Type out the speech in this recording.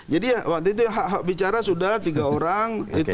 jadi waktu itu hak hak bicara sudah tiga orang